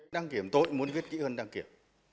đăng kiểm tôi muốn viết kỹ hơn đăng kiểm